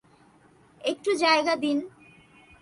একটু জায়গা দিন।